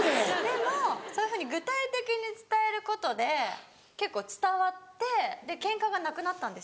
でもそういうふうに具体的に伝えることで結構伝わってケンカがなくなったんですよ。